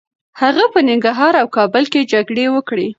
هغه په ننګرهار او کابل کي جګړې وکړې.